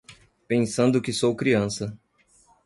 Pensando que sou criança